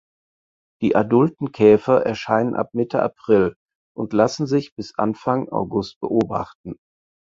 Die adulten Käfer erscheinen ab Mitte April und lassen sich bis Anfang August beobachten.